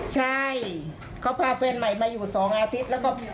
ใช่เขาพาแฟนใหม่มาอยู่๒อาทิตย์